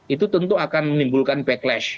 itu tentu akan menimbulkan backlash